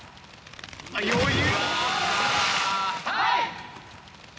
余裕！